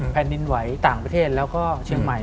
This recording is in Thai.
แผ่นดินไหวต่างประเทศแล้วก็เชียงใหม่